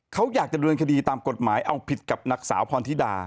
เขาอยากจะเดินคดีตามกฎหมายเอาผิดกับนางสาวพรธิดา